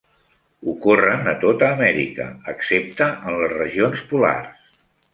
Ocorren a tota Amèrica, excepte en les regions polars.